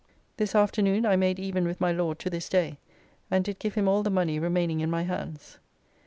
This afternoon I made even with my Lord to this day, and did give him all the money remaining in my hands.